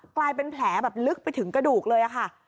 กลายเป็นแผลแบบลึกไปถึงกระดูกเลยค่ะ